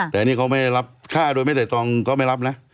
แต่อันนี้เขาไม่ได้รับค่าโดยไม่ได้ตองเขาไม่รับนะ